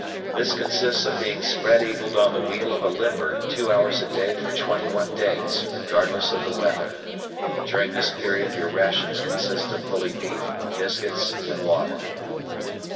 This consists of being spread eagled on the wheel of a limber two hours a day for twenty one days, regardless of the weather. During this period, your rations consist of bully beef, biscuits, and water.